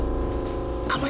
tenteng yang budi